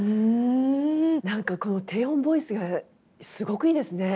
何かこの低音ボイスがすごくいいですね。